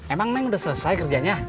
emang udah selesai kerjanya